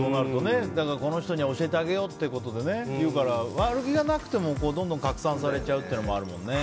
だから、この人には教えてあげようということで言うから悪気がなくてもどんどん拡散されちゃうというのもあるもんね。